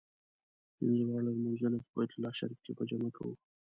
پنځه واړه لمونځونه په بیت الله شریف کې په جمع کوو.